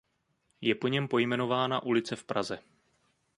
Je po něm pojmenována ulice v Praze.